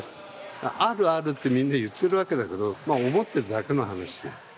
あるあるってみんな言ってるけど思ってるだけの話で。